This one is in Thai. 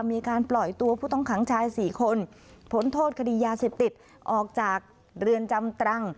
มีการปล่อยตัวผู้ต้องขังชาย๔คนผลโทษคดียาเสพติดออกจากเรือนจำตรัง